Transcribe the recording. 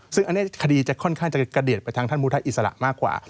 ซึ่งอันนี้คดีจะค่อนข้างจะกระเด็ดไปทางท่านพุทธอิสระมากกว่า